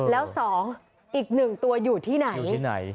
แล้วสองอีกหนึ่งตัวอยู่ที่ไหน